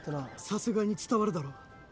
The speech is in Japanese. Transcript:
さすがに伝わるだろ